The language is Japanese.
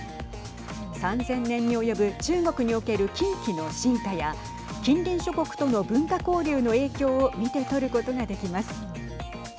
３０００年に及ぶ中国における金器の進化や近隣諸国との文化交流の影響を見て取ることができます。